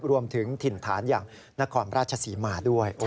รวมถึงถิ่นฐานอย่างนครราชศรีมาด้วย